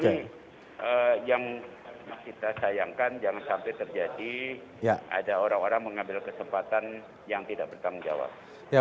yang kita sayangkan jangan sampai terjadi ada orang orang mengambil kesempatan yang tidak bertanggung jawab